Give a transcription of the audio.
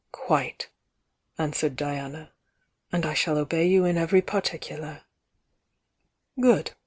"Quite!" answered Diana — "And I shall obey you in every particular." "Good!